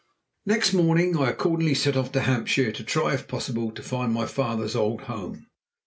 Next morning I accordingly set off for Hampshire to try, if possible, to find my father's old home.